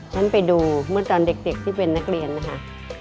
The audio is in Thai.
ฉันไปดูเมื่อตอนเด็กที่เป็นนักเรียนนะคะ